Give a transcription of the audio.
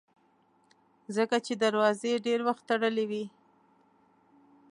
ځکه چې دروازې یې ډېر وخت تړلې وي.